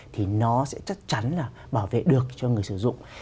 thì nó sẽ chắc chắn là bảo vệ được cho người sử dụng